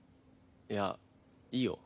いやいいよ。